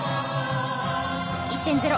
１．０。